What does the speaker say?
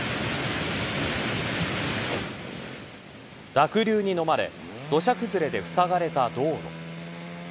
濁流にのまれ土砂崩れでふさがれた道路。